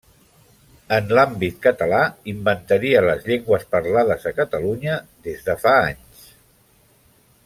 En l'àmbit català, inventaria les llengües parlades a Catalunya des de fa anys.